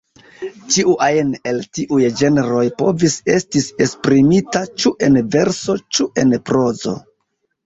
Ĉiu ajn el tiuj ĝenroj povis estis esprimita ĉu en verso ĉu en prozo.